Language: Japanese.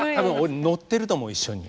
乗ってると思う一緒に。